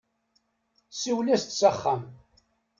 Siwel-as-d s axxam.